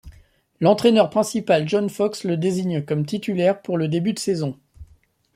L'entraîneur principal John Fox le désigne comme titulaire pour le début de saison.